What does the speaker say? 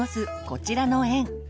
こちらの園。